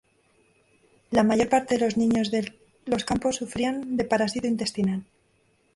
La mayor parte de los niños de los campos sufrían de parásito intestinal.